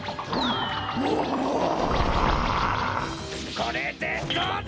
これでどうだ！